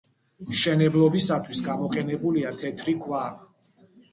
მშენებლობისათვის გამოყენებულია თეთრი ქვა.